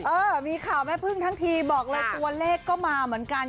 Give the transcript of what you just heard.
เออมีข่าวแม่พึ่งทั้งทีบอกเลยตัวเลขก็มาเหมือนกัน